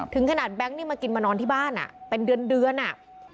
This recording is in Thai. ถึงขนาดแบงค์นี่มากินมานอนที่บ้านอ่ะเป็นเดือนอ่ะ